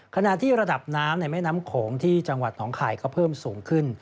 ขณะที่ระดับน้ำในแม่น้ำโขงที่จังหวัดหนองคายก็เพิ่มสูงขึ้น